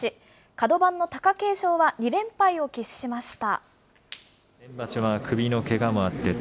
角番の貴景勝は２連敗を喫しました。